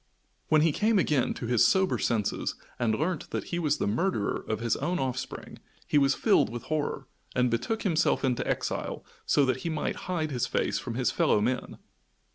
When he came again to his sober senses, and learnt that he was the murderer of his own offspring he was filled with horror, and betook himself into exile so that he might hide his face from his fellow men.